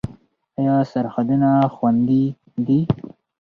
آیا سرحدونه خوندي دي؟